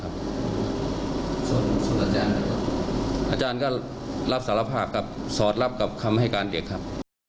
อาจารย์ก็รับสารภาพกับสอดรับกับคำให้การเด็กครับ